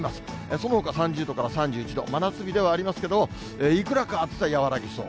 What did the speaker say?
そのほか３０度から３１度、真夏日ではありますけれども、いくらか暑さ、和らぎそう。